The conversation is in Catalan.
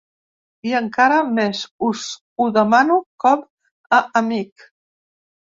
I, encara més, us ho demano com a amic.